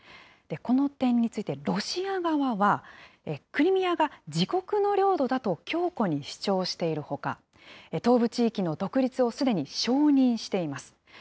この点について、ロシア側は、クリミアが自国の領土だと強固に主張しているほか、東部地域の独立をすでに承認しています。